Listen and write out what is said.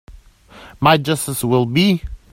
Might just as well be.